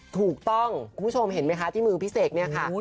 คุณผู้ชมเห็นไหมคะที่มือพี่เสกเนี่ยค่ะ